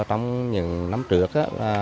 trong những năm trước